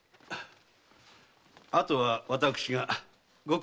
あとは私がご苦労さん。